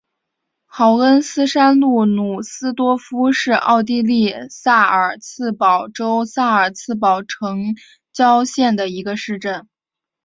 豪恩斯山麓努斯多夫是奥地利萨尔茨堡州萨尔茨堡城郊县的一个市镇。